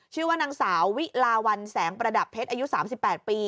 ชื่อว่านางสาววิลาวันแสงประดับเพชรอายุ๓๘ปี